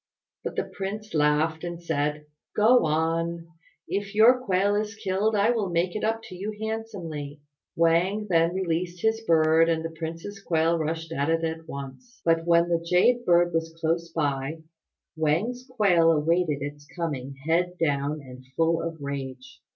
But the Prince laughed and said, "Go on. If your quail is killed I will make it up to you handsomely." Wang then released his bird and the prince's quail rushed at it at once; but when the Jade bird was close by, Wang's quail awaited its coming head down and full of rage.